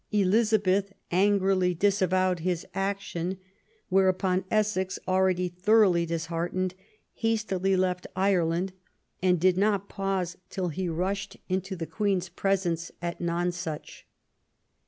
Elizabeth angrily disavowed his action ; whereupon Essex, already thoroughly disheartened, hastily left Ireland, and did not pause till he rushed into the 286 QUEEN ELIZABETH. Queen's presence at Nonsuch.